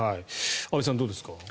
安部さん、どうですか。